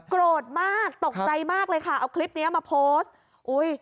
โกรธมากตกใจมากเลยค่ะเอาคลิปเนี้ยมาโพสต์อุ้ย